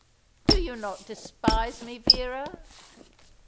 Do you not despise me, Vera?"